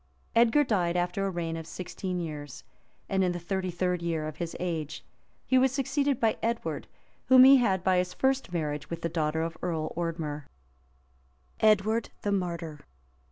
Malms, lib. ii. cap. 6. Brompton, p. 838,] Edgar died after a reign of sixteen years, and in the thirty third of his age. He was succeeded by Edward, whom he had by his first marriage with the daughter of Earl Ordmer. EDWARD THE MARTYR {957.